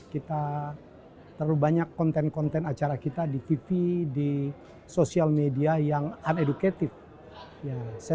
kita terlalu banyak konten konten acara kita di tv di sosial media yang unedukatif ya saya